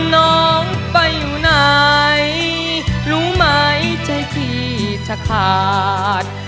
น้องไปอยู่ไหนรู้ไหมใจพี่จะขาด